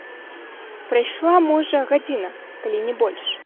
Прайшла, можа, гадзіна, калі не больш.